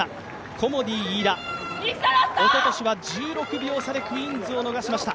コモディイイダ、おととしは１６秒差でクイーンズを逃しました。